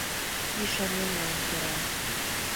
Ӱшанемлан кӧра